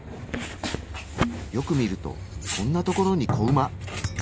よく見るとこんなところに子馬。